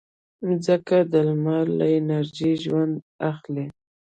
مځکه د لمر له انرژي ژوند اخلي.